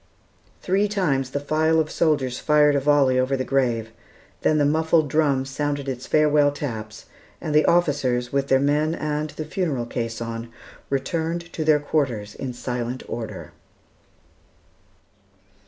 Three times the file of soldiers fired a volley over the grave, then the muffled drum sounded its farewell taps, and the officers, with their men and the funeral caisson, returned to their quarters in silent order.